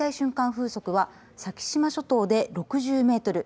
風速は先島諸島で６０メートル。